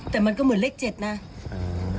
แต่มันก็เหมือนเลข๗นะ